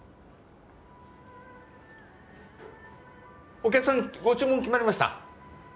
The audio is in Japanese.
お客さんご注文決まりました？